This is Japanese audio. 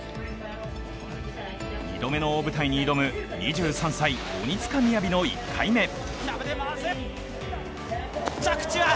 ２度目の大舞台に挑む２３歳、鬼塚雅の１回目。